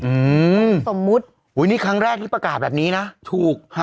อืมสมมุติอุ้ยนี่ครั้งแรกที่ประกาศแบบนี้นะถูกฮะ